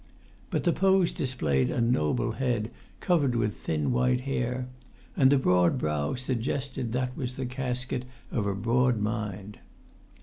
But the pose displayed a noble head covered with thin white hair, and the broad brow that was the casket of a broad mind.